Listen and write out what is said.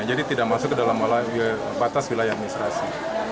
jadi tidak masuk ke dalam batas wilayah administrasi